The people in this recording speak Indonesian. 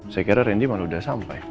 saya kira randy malah sudah sampai